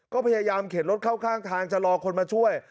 ก็พยายามเข็นรถเข้าข้างทางจะรอคนมาช่วย